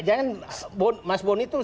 jangan mas bonny itu